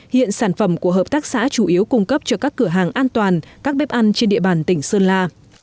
hiện sản phẩm của hợp tác xã chủ yếu cung cấp cho các cửa hàng an toàn các bếp ăn trên địa bàn tỉnh sơn la